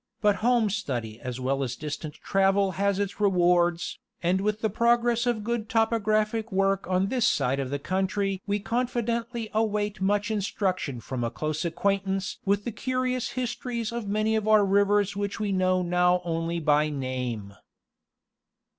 But home study as well as distant travel has its rewards, and with the progress of good topographic work on this side of the country we confidently await much instruction from a close acquaintance with the curious histories of many" of our rivers which we know now only by name.